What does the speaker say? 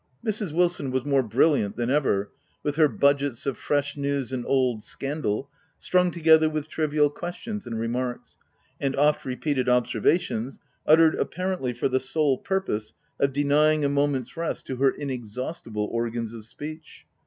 Mrs. Wilson was more brilliant than ever, with her budgets of fresh news and old scandal, strung together with trivial questions and remarks, and oft repeated observations, uttered apparently for the sole purpose of denying a moment's rest to her inexhaustible organs of speech.